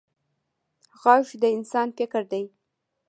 غږ د انسان فکر دی